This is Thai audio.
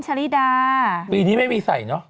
ชะลิดาปีนี้ไม่มีใส่เนอะ